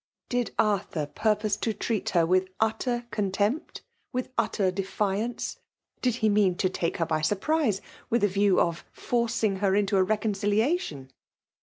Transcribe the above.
Did Arthur purpose to treat her with utter contempt, with utter defiance? —• Did he mean to take her by surprise, widi ^ view of forcing her into a reconciliation?